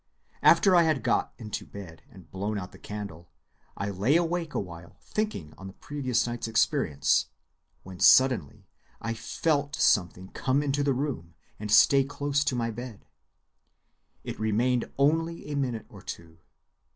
After I had got into bed and blown out the candle, I lay awake awhile thinking on the previous night's experience, when suddenly I felt something come into the room and stay close to my bed. It remained only a minute or two.